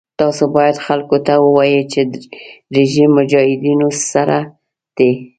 تاسو باید خلکو ته ووایئ چې رژیم مجاهدینو سره دی.